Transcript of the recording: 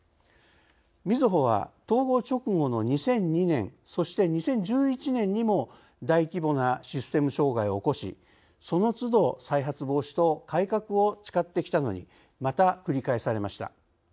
みずほは統合直後の２００２年そして２０１１年にも大規模なシステム障害を起こしそのつど再発防止と改革を誓ってきたのにまた繰り返されました。